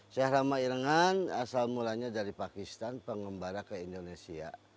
saya rama irengan asal mulanya dari pakistan pengembara ke indonesia